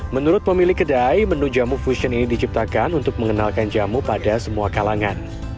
menurut pemilik kedai menu jamu fusion ini diciptakan untuk mengenalkan jamu pada semua kalangan